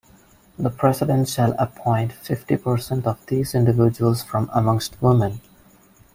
The President shall appoint fifty percent of these individuals from amongst women.